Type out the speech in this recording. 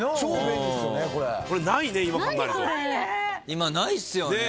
今ないっすよね。